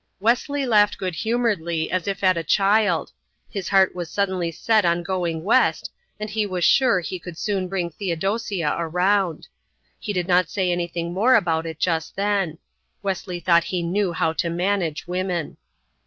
Wesley laughed good humouredly, as if at a child. His heart was suddenly set on going west, and he was sure he could soon bring Theodosia around. He did not say anything more about it just then. Wesley thought he knew how to manage women.